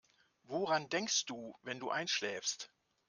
Woran denkst du, wenn du einschläfst?